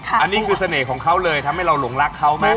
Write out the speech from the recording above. อันนี้คือเสน่ห์ของเขาเลยทำให้เราหลงรักเขาไหม